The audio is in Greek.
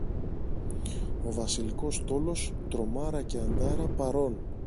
Ο Βασιλικός στόλος, «Τρομάρα» και «Αντάρα», παρών!